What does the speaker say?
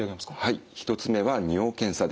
はい１つ目は尿検査です。